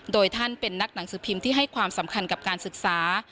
โดยท่านเป็นนักหนังสือพิมพ์ที่ให้ความสำคัญกับการศึกษา